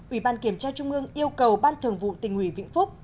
ubkt trung ương yêu cầu ban thường vụ tình ủy vĩnh phúc